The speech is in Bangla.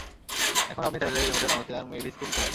এখন আপনি চাইলে এই হোটেল আমাকে আর মেভিসকে দিতে পারেন।